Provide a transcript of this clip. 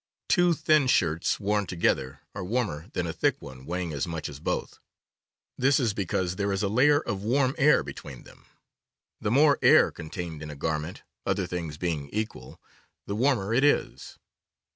Two thin shirts worn together are warmer than a thick one weighing as much as both. This is because there is a layer of warm air between them. The more air contained in a garment, other things being equal, the warmer it is.